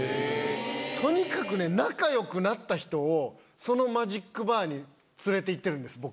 とにかくね仲良くなった人をそのマジックバーに連れていってるんです僕は。